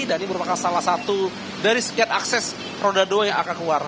dan ini merupakan salah satu dari sekian akses roda dua yang akan keluar